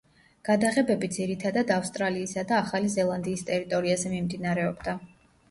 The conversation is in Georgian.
გადაღებები ძირითადად ავსტრალიისა და ახალი ზელანდიის ტერიტორიაზე მიმდინარეობდა.